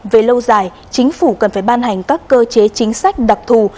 về lâu dài chính phủ cần phải ban hành các cơ chế chính sách đặc thù